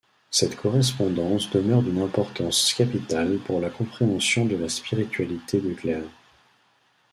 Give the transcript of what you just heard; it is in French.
Cette correspondance demeure d'une importance capitale pour la compréhension de la spiritualité de Claire.